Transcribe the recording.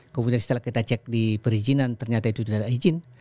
kemudian setelah kita cek di perizinan ternyata itu tidak ada izin